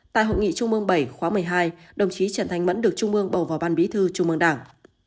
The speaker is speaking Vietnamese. tại hội nghị chung mương bảy khóa một mươi hai đồng chí trần thành mẫn được chung mương bầu vào ban bí thư chung mương đảng